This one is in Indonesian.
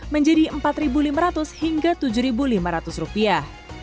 menjadi empat lima ratus hingga tujuh lima ratus rupiah